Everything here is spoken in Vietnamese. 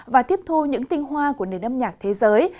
và tiếp thu những tinh hoa của nền âm nhạc thế giới